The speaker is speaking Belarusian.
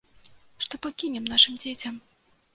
Што пакінем нашым дзецям?